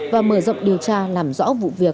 và mở rộng điều tra làm rõ vụ việc